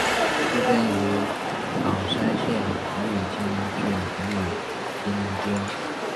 出身于冈山县御津郡御津町。